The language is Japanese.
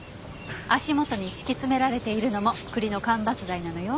足元に敷き詰められているのも栗の間伐材なのよ。